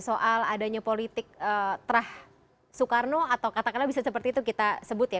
soal adanya politik terah soekarno atau katakanlah bisa seperti itu kita sebut ya